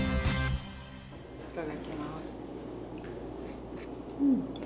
いただきます。